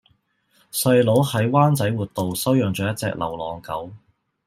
細佬喺灣仔活道收養左一隻流浪狗